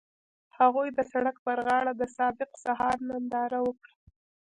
هغوی د سړک پر غاړه د صادق سهار ننداره وکړه.